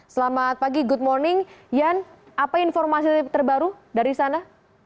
selamat pagi good morning yan apa informasi terbaru dari sana